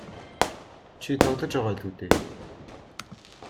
Чи тоглож байгаа байлгүй дээ.